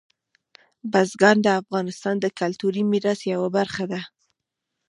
بزګان د افغانستان د کلتوري میراث یوه برخه ده.